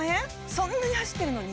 そんなに走ってるのに？